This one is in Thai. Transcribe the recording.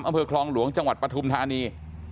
อำเภอคลองหลวงจังหวัดปฐุมธานี